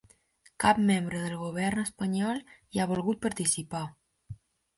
Cap membre del govern espanyol hi ha volgut participar.